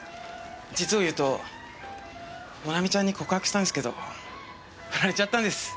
実を言うともなみちゃんに告白したんすけどフラれちゃったんです。